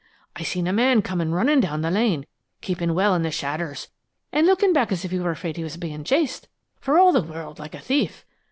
I seen a man come running down the lane, keepin' well in the shaders, an' looking back as if he was afraid he was bein' chased, for all the world like a thief.